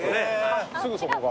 すぐそこが。